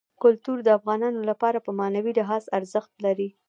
کلتور د افغانانو لپاره په معنوي لحاظ ارزښت لري.